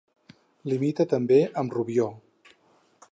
Limita també amb Rubió.